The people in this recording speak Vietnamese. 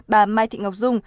bà mai thị ngọc dung